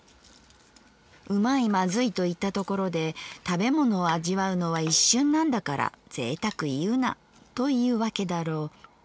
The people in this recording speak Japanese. うまいまずいと言ったところで食物を味わうのは一瞬なんだから贅沢言うなというわけだろう。